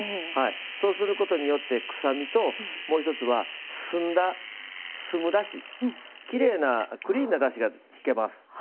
そうすることによって臭みと澄んだ、澄むだしきれいなクリーンなだしがひけます。